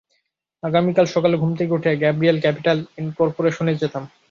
আগামীকাল সকালে ঘুম থেকে উঠে গ্যাব্রিয়েল ক্যাপিটাল ইনকর্পোরেশনে যেতাম।